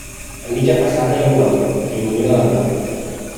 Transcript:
A mitja façana hi ha un òcul que il·lumina la nau.